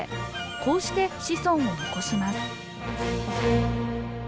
こうして子孫を残します。